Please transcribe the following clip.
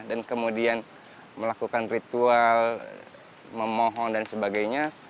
dan kemudian melakukan ritual memohon dan sebagainya